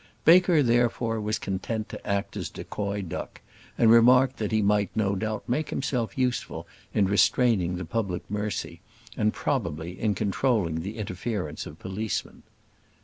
Baker, therefore, was content to act as a decoy duck, and remarked that he might no doubt make himself useful in restraining the public mercy, and, probably, in controlling the interference of policemen.